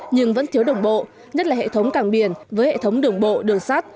nhưng vẫn thiếu đồng bộ nhất là hệ thống càng biển với hệ thống đường bộ đường sát